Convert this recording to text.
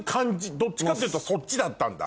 どっちかっていうとそっちだったんだ？